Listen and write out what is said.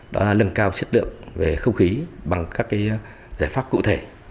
đó là nâng cao chất lượng về không khí bằng các giải pháp cụ thể